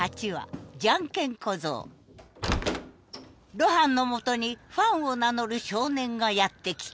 露伴のもとにファンを名乗る少年がやって来た。